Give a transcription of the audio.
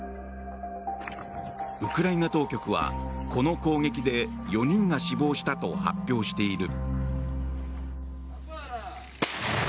ウクライナ当局はこの攻撃で４人が死亡したと発表している。